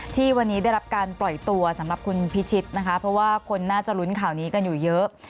ที่วันนี้ได้รับการปล่อยตัวสำหรับคุณพิชิตนะคะเพราะว่าคนน่าจะลุ้นข่าวนี้กันอยู่เยอะ